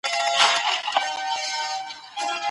ميرويس خان نيکه د دربار د کمزوریو څنګه خبر سو؟